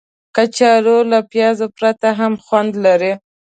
کچالو له پیاز پرته هم خوند لري